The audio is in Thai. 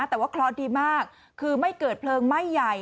แต่ว่าเคราะห์ดีมากคือไม่เกิดเพลิงไหม้ใหญ่